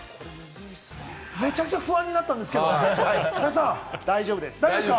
めちゃくちゃ不安になったんですけれども、斉藤さん、大丈夫ですか？